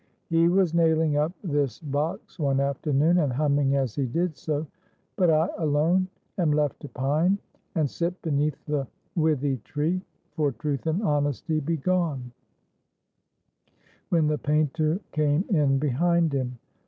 He was nailing up this box one afternoon, and humming as he did so,— "But I alone am left to pine, And sit beneath the withy tree, For truth and honesty be gone"— when the painter came in behind him.